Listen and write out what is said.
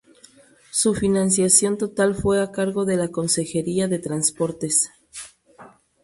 Su financiación total fue a cargo de la Consejería de Transportes.